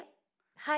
はい。